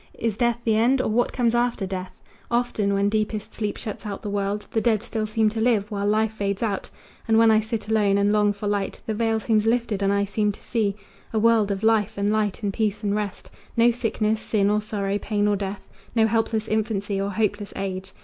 Is death the end, or what comes after death? Often when deepest sleep shuts out the world, The dead still seem to live, while life fades out; And when I sit alone and long for light The veil seems lifted, and I seem to see A world of life and light and peace and rest, No sickness, sin or sorrow, pain or death, No helpless infancy or hopeless age.